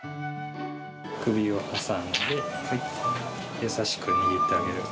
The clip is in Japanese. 首を挟んで、優しく握ってあげる。